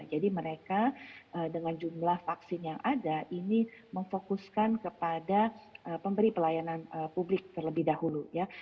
jadi mereka dengan jumlah vaksin yang ada ini memfokuskan kepada pemberi pelayanan publik terlebih dahulu ya